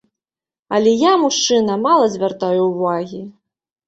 Але я, мужчына, мала звяртаю ўвагі.